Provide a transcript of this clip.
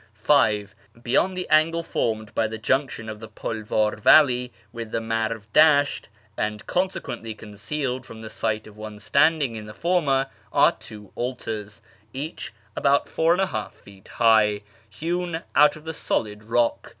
(v) Beyond the angle formed by the junction of the Pulv.ir valley with the Marv Dasht, and consequently concealed from the sight of one standing in the former, are two altars, each about 4| feet high, hewn out of the solid rock.